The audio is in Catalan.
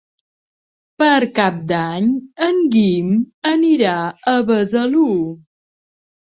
Per Cap d'Any en Guim anirà a Besalú.